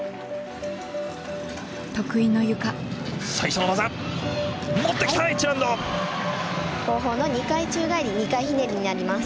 後方の２回宙返り２回ひねりになります。